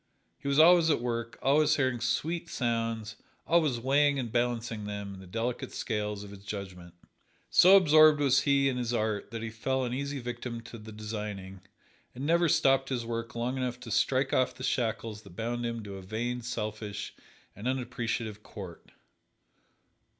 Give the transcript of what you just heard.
He was always at work, always hearing sweet sounds, always weighing and balancing them in the delicate scales of his judgment. So absorbed was he in his art that he fell an easy victim to the designing, and never stopped his work long enough to strike off the shackles that bound him to a vain, selfish and unappreciative court.